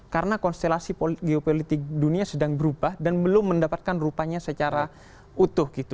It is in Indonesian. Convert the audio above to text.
karena konstelasi geopolitik dunia sedang berubah dan belum mendapatkan rupanya secara utuh